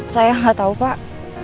saya gak tau pak